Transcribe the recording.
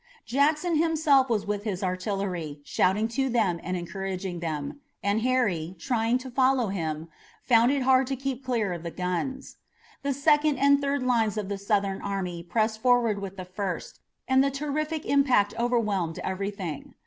Jackson himself was with his artillery, shouting to them and encouraging them, and Harry, trying to follow him, found it hard to keep clear of the guns. The second and third lines of the Southern army pressed forward with the first, and the terrific impact overwhelmed everything.